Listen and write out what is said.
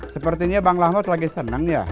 sepertinya bang lamod lagi senang ya